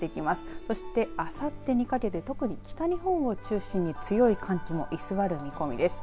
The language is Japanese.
そして、あさってにかけて特に北日本を中心に強い寒気が居座る見込みです。